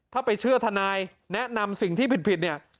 ถ้าไปเชื่อทนายแนะนำสิ่งที่ผิดเนี่ย